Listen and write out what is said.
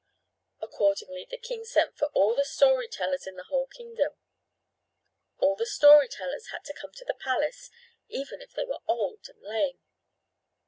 Accordingly, the king sent for all the storytellers in the whole kingdom. All the storytellers had to come to the palace even if they were old and lame.